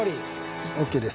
ＯＫです。